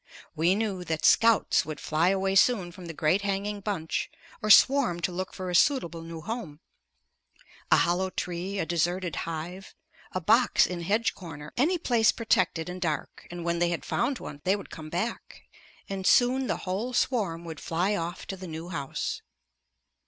We knew that "scouts" would fly away soon from the great hanging bunch or swarm to look for a suitable new home; a hollow tree, a deserted hive, a box in hedge corner, any place protected and dark, and when they had found one, they would come back, and soon the whole swarm would fly off to the new house.